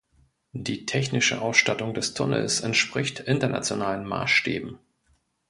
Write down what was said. Die technische Ausstattung des Tunnels entspricht internationalen Maßstäben.